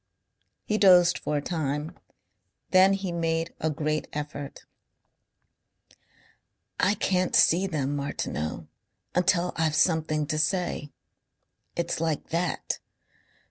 He dozed for a time. Then he made a great effort. "I can't see them, Martineau, until I've something to say. It's like that.